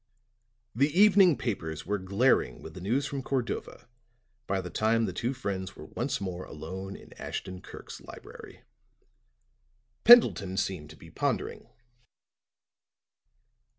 The evening papers were glaring with the news from Cordova by the time the two friends were once more alone in Ashton Kirk's library. Pendleton seemed to be pondering.